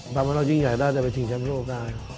ประมาณเรายิ่งใหญ่ได้จะไปถึงแชมป์โลกได้